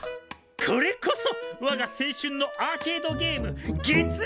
これこそわが青春のアーケードゲーム「月面探査」だ！